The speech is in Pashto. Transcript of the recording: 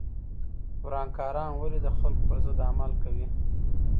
ورانکاران ولې د خلکو پر ضد عمل کوي؟